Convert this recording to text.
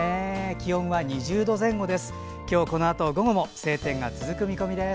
気温は２０度前後です。